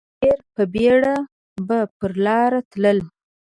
ډېر په بېړه به پر لار تلل.